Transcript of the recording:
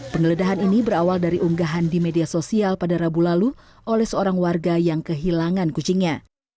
penggeledahan ini berawal dari unggahan di media sosial pada rabu lalu oleh seorang warga yang kehilangan kucingnya